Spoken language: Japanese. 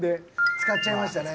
使っちゃいましたね。